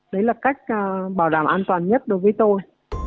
đấy là cách bảo đảm an toàn nhất đối với tôi